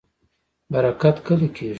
برکت کله کیږي؟